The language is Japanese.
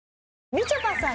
みちょぱさん